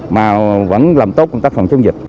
mà vẫn làm tốt công tác phòng chống dịch